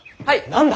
何だ？